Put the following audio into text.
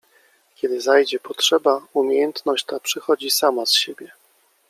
Kiedy zajdzie potrzeba, umiejętność ta przychodzi sama z siebie.